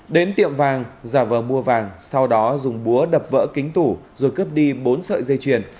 đến tiệm vàng giả vờ mua vàng sau đó dùng búa đập vỡ kính tủ rồi cướp đi bốn sợi dây chuyền